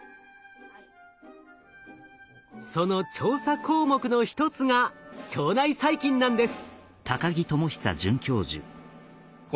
その調査項目の一つが腸内細菌なんです。